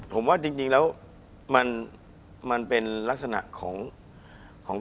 ผมว่าจริงแล้วมันเป็นลักษณะของ